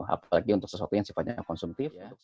apalagi untuk sesuatu yang sifatnya konsumtif